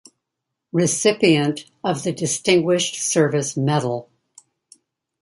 Recipient of the Distinguished Service Medal.